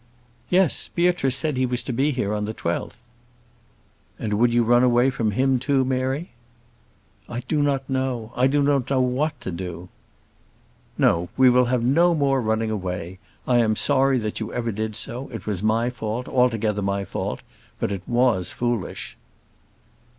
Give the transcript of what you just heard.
"Yes. Beatrice said he was to be here on the 12th." "And would you run away from him too, Mary?" "I do not know: I do not know what to do." "No; we will have no more running away: I am sorry that you ever did so. It was my fault, altogether my fault; but it was foolish."